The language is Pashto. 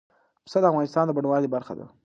پسه د افغانستان د بڼوالۍ برخه ده.